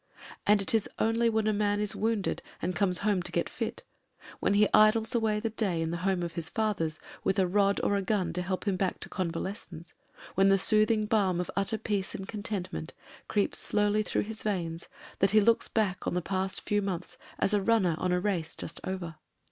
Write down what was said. And it is only when a man is wounded and comes home to get fit, when he idles away the day in the home of his fathers, with a rod or a gun to help him back to convalescence, when the soothing balm of utter peace and contentment creeps slowly through his veins, that he looks back on the past few months as a runner on a race just over.